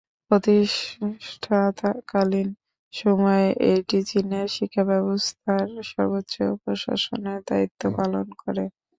প্রতিষ্ঠাকালীন সময়ে এটি চীনের শিক্ষাব্যবস্থার সর্বোচ্চ প্রশাসনের দায়িত্ব পালন করে।